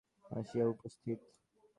সেদিন উষ্কোখুষ্কো আলুথালু হইয়া আসিয়া উপস্থিত।